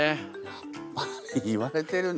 やっぱり言われてるんだ。